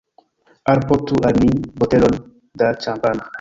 Alportu al ni botelon da ĉampano.